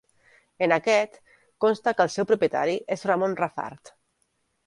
En aquest, consta que el seu propietari és Ramon Rafart.